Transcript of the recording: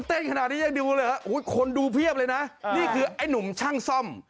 เต้นขนาดนี้ยังดูเลยเหรอคนดูเพียบเลยนะนี่คือไอ้หนุ่มช่างซ่อม